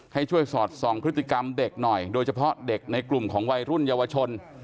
ให้ช่วยสอดส่องพฤติกรรมเด็กหน่อยโดยเฉพาะเด็กในกลุ่มของวัยรุ่นเยาวชน